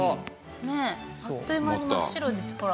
あっという間に真っ白ですほら。